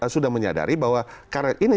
sudah menyadari bahwa karena ini